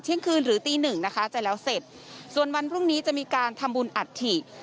คืนหรือตีหนึ่งนะคะจะแล้วเสร็จส่วนวันพรุ่งนี้จะมีการทำบุญอัฐิ